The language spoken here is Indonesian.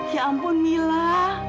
ya ampun mila